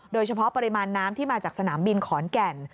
ปริมาณน้ำที่มาจากสนามบินขอนแก่น